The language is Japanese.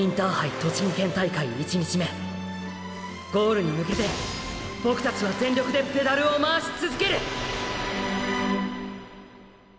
栃木県大会１日目ゴールに向けてボクたちは全力でペダルを回しつづける！！